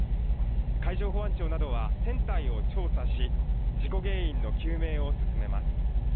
海上保安庁などは船体を調査し、事故原因の究明を進めます。